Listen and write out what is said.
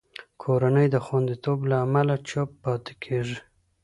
کورنۍ د خوندیتوب له امله چوپ پاتې کېږي.